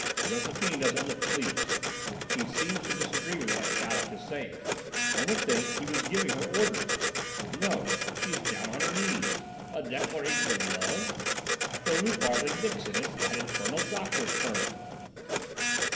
Josephine doesn't look pleased. She seems to disagree with what Chaleck is saying. One would think he was giving her orders. No! she is down on her knees. A declaration of love! After Loupart and Dixon it's that infernal doctor's turn!"